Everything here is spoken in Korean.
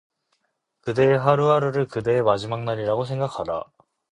그대의 하루 하루를 그대의 마지막 날이라고 생각하라.